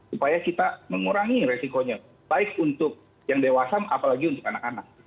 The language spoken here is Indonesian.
supaya kita mengurangi resikonya baik untuk yang dewasa apalagi untuk anak anak